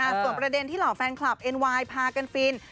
ส่วนประเด็นที่เหล่าแฟนคลับเอ็นไวน์พากันฟิน